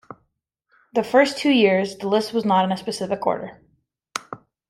The first two years, the list was not in a specific order.